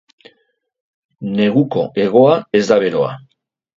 Neguko hegoa ez da beroa.